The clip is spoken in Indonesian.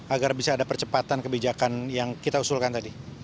agar bisa ada percepatan kebijakan yang kita usulkan tadi